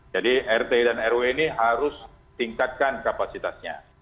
jadi rt dan rw ini harus tingkatkan kapasitasnya